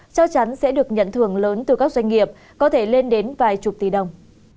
chắc chắn sẽ được nhận thưởng lớn từ các doanh nghiệp có thể lên đến vài chục tỷ đồng